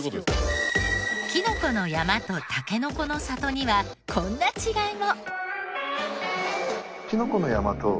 きのこの山とたけのこの里にはこんな違いも。